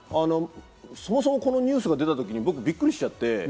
そもそもこのニュースが出たとき、僕びっくりしちゃって。